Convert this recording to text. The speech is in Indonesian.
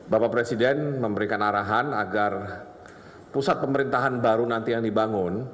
bapak presiden memberikan arahan agar pusat pemerintahan baru nanti yang dibangun